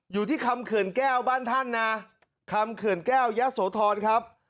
อยู่ที่คำเขื่อนแก้วบ้านท่านนะคำเขื่อนแก้วยะโสธรครับ